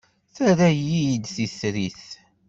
Terra-iyi d titrit.